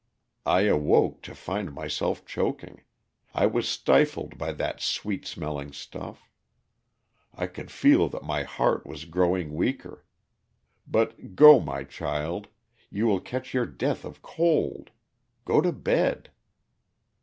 I awoke to find myself choking; I was stifled by that sweet smelling stuff; I could feel that my heart was growing weaker. But go, my child; you will catch your death of cold. Go to bed."